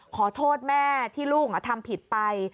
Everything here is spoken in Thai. ขอโทษแม่ที่ลูกทำผิดไป